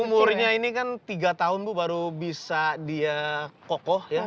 umurnya ini kan tiga tahun bu baru bisa dia kokoh ya